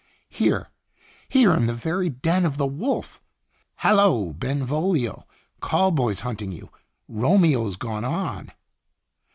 * Here, here in the very den of the wolf!' Hallo, Benvolio, call boy's hunt ing you. Romeo 's gone on.